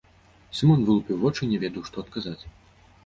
Сымон вылупіў вочы і не ведаў, што адказаць.